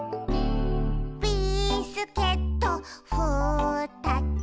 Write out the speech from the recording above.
「ビスケットふたつ」